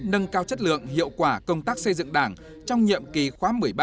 nâng cao chất lượng hiệu quả công tác xây dựng đảng trong nhiệm kỳ khóa một mươi ba